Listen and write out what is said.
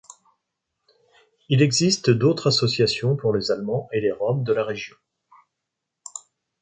Il existe d'autres associations pour les Allemands et les Roms de la région.